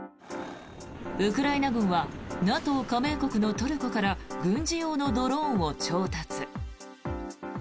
ウクライナ軍はＮＡＴＯ加盟国のトルコから軍事用のドローンを調達。